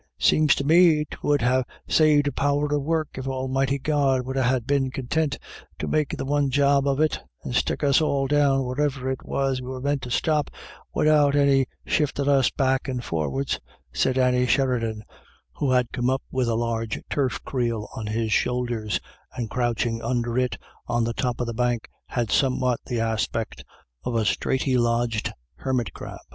" Seems to me 'twould ha' saved a power of work if God Almighty would ha' been contint to make the one job of it, and stick us all down wheriver it was we were meant to stop, widout any shiftin' us back and forwards," said Andy Sheridan, who had come up with a large turf creel on his shoulders, and crouching under it on the top of the bank had somewhat the aspect of a straitly lodged hermit crab.